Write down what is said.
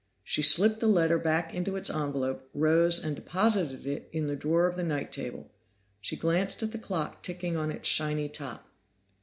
She slipped the letter back into its envelope, rose and deposited it in the drawer of the night table. She glanced at the clock ticking on its shiny top.